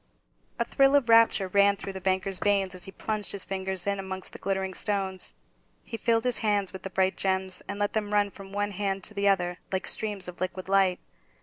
A thrill of rapture ran through the banker's veins as he plunged his fingers in amongst the glittering stones. He filled his hands with the bright gems, and let them run from one hand to the other, like streams of liquid light.